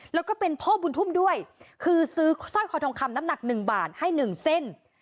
แล้วก็เป็นพ่อบุญทุ่มด้วยคือซื้อสร้อยคอทองคำน้ำหนักหนึ่งบาทให้หนึ่งเส้น